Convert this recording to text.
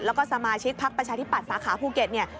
แล้วก็สมาชิกพักประชาธิปัตย์สาขาภูเก็ตเนี่ย